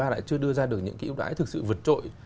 lại chưa đưa ra được những cái hiệu đại thực sự vượt trội